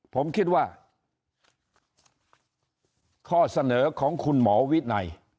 ผมคิดว่าข้อเสนอของคุณหมอวินัย